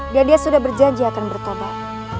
dia sudah berjanji akan bertobat